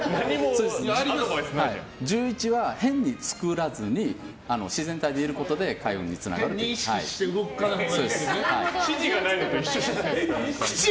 １１は変に作らずに自然体でいることで開運につながるという。